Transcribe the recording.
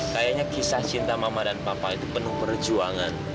kayaknya kisah cinta mama dan papa itu penuh perjuangan